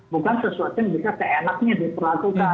bukan sesuatu yang bisa seenaknya diperlakukan